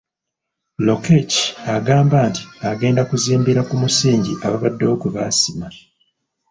Lokech agamba nti agenda kuzimbira ku musingi ababaddewo gwe baasima.